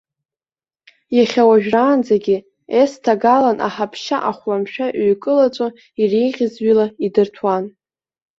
Иахьа уажәраанӡагьы, ес-ҭагалан аҳаԥшьа ахәламшәа иҩкылаҵәо иреиӷьыз ҩыла идырҭәуан.